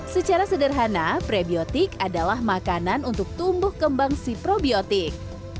secara sederhana prebiotik adalah makanan untuk tumbuh kembang si probiotik